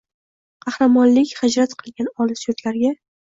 qahramonlik hijrat qilgan olis yurtlarga